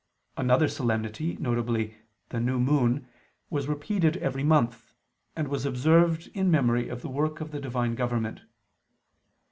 Another solemnity, viz. the "New Moon," was repeated every month, and was observed in memory of the work of the Divine government.